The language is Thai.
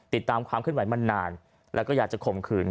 ติดตามความขึ้นไหวมานานแล้วก็อยากจะข่มขืน